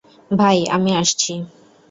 ভাই, আমি আসছি।